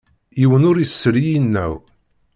Yiwen ur issel i yinaw.